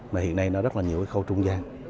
mà hiện nay nó rất là nhiều cái khâu trung gian